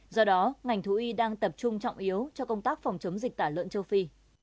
do đó ngành thú y đang tập trung trọng yếu cho công tác phòng chống dịch tả lợn châu phi